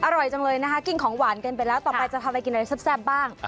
อร่อยจังเลยนะคะกินของหวานกันไปแล้วต่อไปจะทำอะไรกินอะไรแซ่บบ้าง